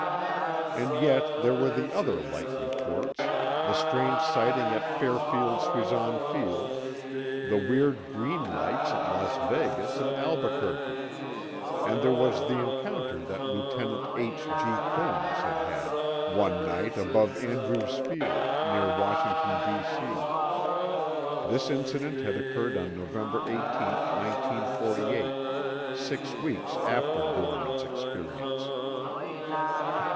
And yet there were the other light reports—the strange sighting at Fairfield Suisan Field, the weird green lights at Las Vegas and Albuquerque. And there was the encounter that Lieutenant H. G. Combs had had one night above Andrews Field, near Washington, D. C. This incident had occurred on November 18, 1948, six weeks after Gorman's experience.